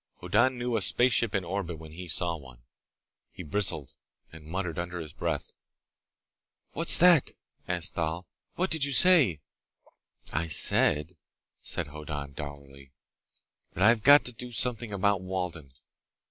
Hoddan knew a spaceship in orbit when he saw one. He bristled, and muttered under his breath. "What's that?" asked Thal. "What did you say?" "I said," said Hoddan dourly, "that I've got to do something about Walden.